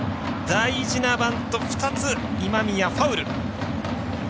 大事なバント２つ今宮、ファウル。